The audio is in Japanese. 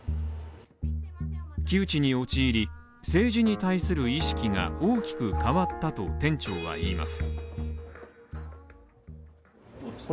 窮地に陥り、政治に対する意識が大きく変わったと店長は言います。